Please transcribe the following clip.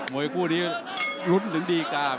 มวยคู่ที่ดูหมดยุทธกิจถึงดีการ